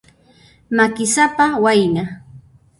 Makisapa wayna.